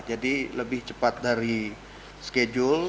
lebih cepat dari schedule